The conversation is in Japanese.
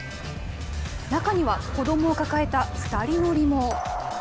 中には子どもを抱えた２人乗りも。